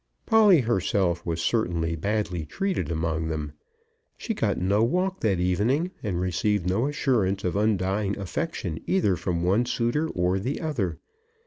Polly herself was certainly badly treated among them. She got no walk that evening, and received no assurance of undying affection either from one suitor or the other.